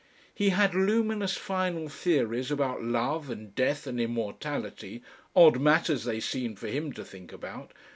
He had luminous final theories about Love and Death and Immortality, odd matters they seemed for him to think about!